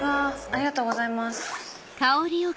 ありがとうございます。